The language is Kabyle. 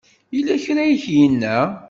Yella kra ay ak-yenna?